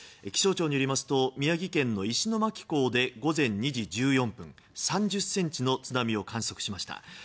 気象庁によりますと宮城県の石巻港で午前２時１４分３０ｃｍの津波を観測しました。